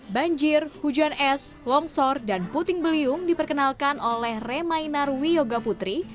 banjir hujan es longsor dan puting beliung diperkenalkan oleh remainar wiyoga putri